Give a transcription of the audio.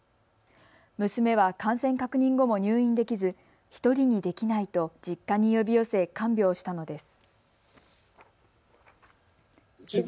娘は感染確認後も入院できず、１人にできないと実家に呼び寄せ看病したのです。